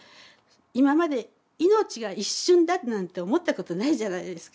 今まで命が一瞬だなんて思ったことないじゃないですか。